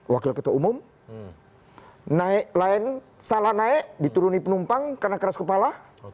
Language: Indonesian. wakil ketua umum naik lain salah naik diturunin penumpang karena keras kepala